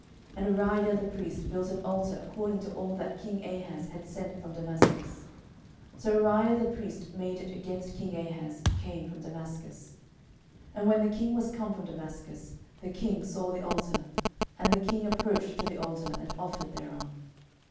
12:016:011 And Urijah the priest built an altar according to all that king Ahaz had sent from Damascus: so Urijah the priest made it against king Ahaz came from Damascus. 12:016:012 And when the king was come from Damascus, the king saw the altar: and the king approached to the altar, and offered thereon.